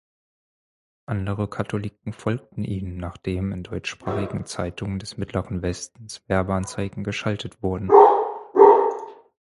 Andere Katholiken folgten ihnen, nachdem in deutschsprachigen Zeitungen des mittleren Westens Werbeanzeigen geschaltet wurden.